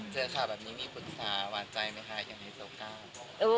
เจอค่ะแบบนี้มีพุทธค่ะหวานใจไหมคะยังเห็นโอกาส